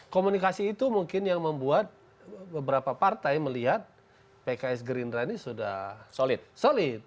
komunikasi itu mungkin yang membuat beberapa partai melihat pks gerindra ini sudah solid